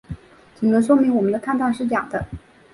只能说明我们的抗战是假的。